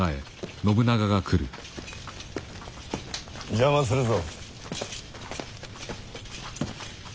邪魔するぞ。